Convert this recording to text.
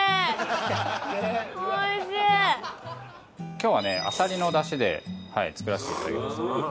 今日はあさりの出汁で作らせて頂きました。